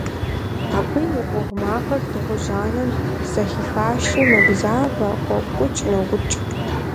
Абы и къугъ макъыр дыгъужь анэм зэхихащи, мэгузавэ, къокӀукӀ-нокӀукӀ.